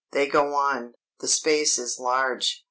"They go on. The space is large.